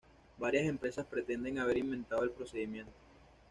Varias empresas pretenden haber inventado el procedimiento.